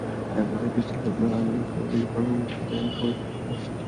একপর্যায়ে পিস্তল বের করে আলী হোসেনকে গুলি করার হুমকি দেন ফরিদ মাহমুদ।